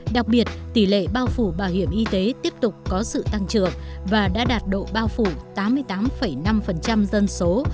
đặc biệt tỷ lệ bao phủ bảo hiểm y tế tiếp tục có sự tăng trưởng và đã đạt độ bao phủ tám mươi tám năm dân số